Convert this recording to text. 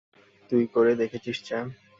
তুই করে দেখিয়েছিস, চ্যাম্প।